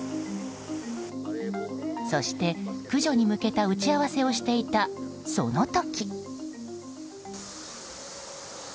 そして駆除に向けた打ち合わせをしていた、その時。